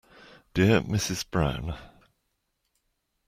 Dear Mrs Brown.